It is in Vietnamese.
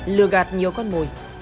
lừa gạt nhiều con mồi